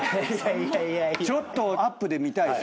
ちょっとアップで見たいですよね。